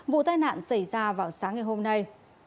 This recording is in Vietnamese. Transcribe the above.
vụ tai nạn xảy ra vào sáng ngày hôm nay